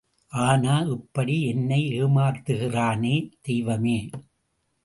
ஆனா இப்படி என்னை ஏமாத்துகிறானே!.. தெய்வமே!.